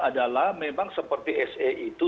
adalah memang seperti se itu